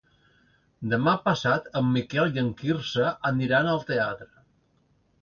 Demà passat en Miquel i en Quirze aniran al teatre.